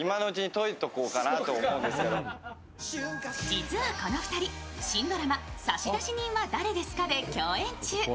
実はこの２人、新ドラマ「差出人は、誰ですか？」で共演中。